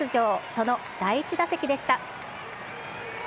その第１打席でした。